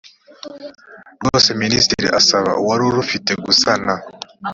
rwose minisitiri asaba uwari urufite gusana